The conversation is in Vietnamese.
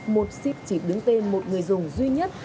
một ship chỉ đứng tên một người dùng duy nhất